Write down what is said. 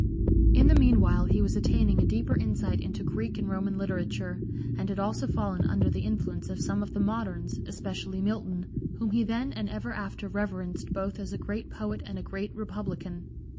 In the meanwhile he was attaining a deeper insight into Greek and Roman literature, and had also fallen under the influence of some of the moderns, especially Milton, whom he then and ever after reverenced both as a great poet and a great republican.